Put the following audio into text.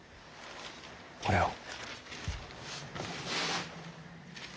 これを。